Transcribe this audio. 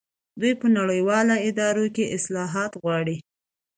دوی په نړیوالو ادارو کې اصلاحات غواړي.